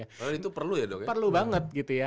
kalau itu perlu ya dok ya perlu banget gitu ya